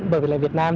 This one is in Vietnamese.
bởi vì là việt nam